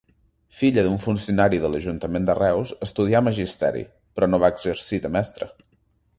Filla d'un funcionari de l'Ajuntament de Reus, estudià magisteri, però no va exercir de mestra.